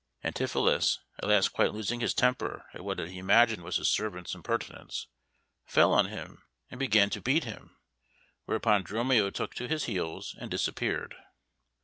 Antipholus, at last quite losing his temper at what he imagined was his servant's impertinence, fell on him and began to beat him, whereupon Dromio took to his heels and disappeared.